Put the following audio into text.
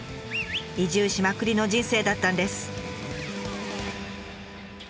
移住しまくりの人生だったんです。